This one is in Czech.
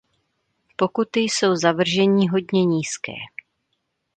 Pokuty jsou zavrženíhodně nízké.